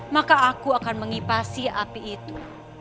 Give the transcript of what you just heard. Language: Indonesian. maka aku akan mengipasi api itu